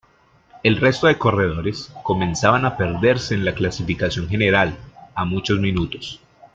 El resto de corredores, comenzaban a perderse en la clasificación general, a muchos minutos.